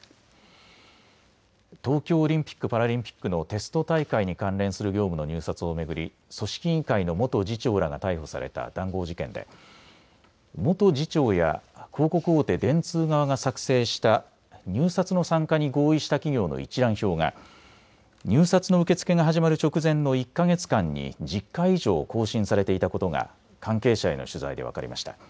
東京オリンピック・パラリンピックのテスト大会に関連する業務の入札を巡り組織委員会の元次長らが逮捕された談合事件で元次長や広告大手、電通側が作成した入札の参加に合意した企業の一覧表が入札の受け付けが始まる直前の１か月間に１０回以上、更新されていたことが関係者への取材で分かりました。